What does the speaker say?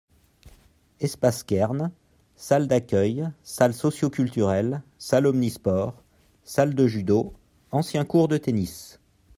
Espace Kerne : salle d’accueil, salle socioculturelle, salle omnisports, salle de judo, ancien court de tennis.